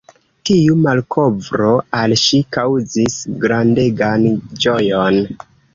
Tiu malkovro al ŝi kaŭzis grandegan ĝojon.